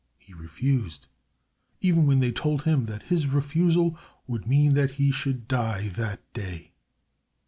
He refused, even when they told him that his refusal would mean that he should die that day.